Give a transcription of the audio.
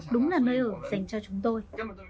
đúng là nơi ở dành cho chúng tôi